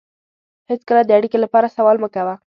هېڅکله د اړیکې لپاره سوال مه کوه.